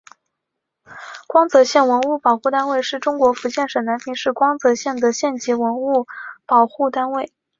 光泽县文物保护单位是中国福建省南平市光泽县的县级文物保护单位。